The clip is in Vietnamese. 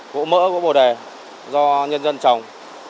gỗ mỡ gỗ bồ đề do nhân dân trồng